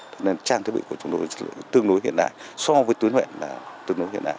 cho nên trang thiết bị của chúng tôi tương đối hiện đại so với tuyến huyện là tương đối hiện đại